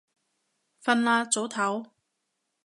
瞓啦，早唞